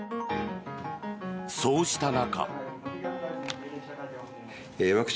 そうした中。